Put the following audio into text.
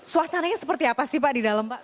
suasananya seperti apa sih pak di dalam pak